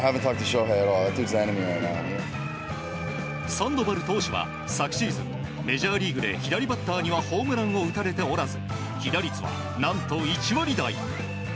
サンドバル投手は昨シーズンメジャーリーグで左バッターにはホームランを打たれておらず被打率は何と１割台。